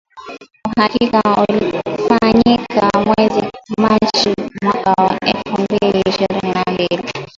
Uhakiki ulifanyika mwezi Machi mwaka wa elfu mbili ishirini na mbili.